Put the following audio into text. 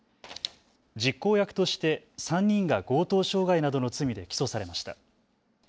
実行役として３人が強盗傷害などの罪で起訴されました。